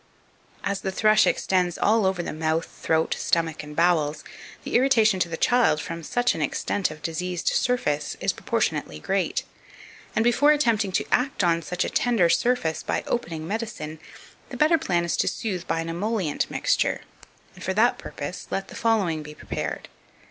2530. As the thrush extends all over the mouth, throat, stomach, and bowels, the irritation to the child from such an extent of diseased surface is proportionately great, and before attempting to act on such a tender surface by opening medicine, the better plan is to soothe by an emollient mixture; and, for that purpose, let the following be prepared.